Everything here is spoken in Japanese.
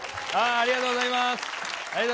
ありがとうございます。